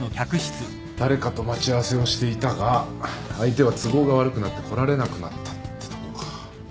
誰かと待ち合わせをしていたが相手は都合が悪くなって来られなくなったってとこか。